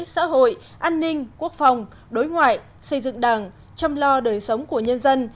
xã hội an ninh quốc phòng đối ngoại xây dựng đảng chăm lo đời sống của nhân dân